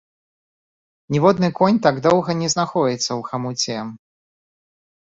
Ніводны конь так доўга не знаходзіцца ў хамуце.